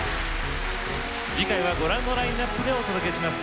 次回はご覧のラインアップでお届けします。